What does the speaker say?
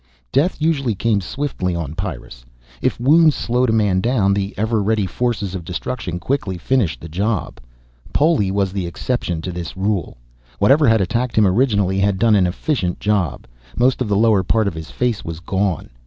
Death usually came swiftly on Pyrrus. If wounds slowed a man down, the ever ready forces of destruction quickly finished the job. Poli was the exception to this rule. Whatever had attacked him originally had done an efficient job. Most of the lower part of his face was gone.